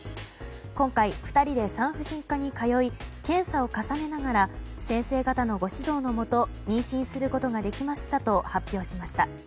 今回、２人で産婦人科に通い検査を重ねながら先生方のご指導のもと妊娠することができましたと発表しました。